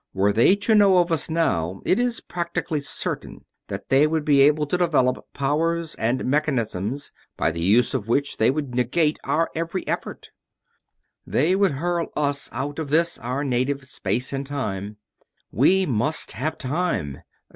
Were they to know of us now, it is practically certain that they would be able to develop powers and mechanisms by the use of which they would negate our every effort they would hurl us out of this, our native space and time. We must have time